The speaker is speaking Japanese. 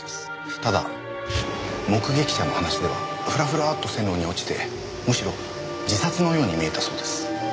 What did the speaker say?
ただ目撃者の話ではふらふらっと線路に落ちてむしろ自殺のように見えたそうです。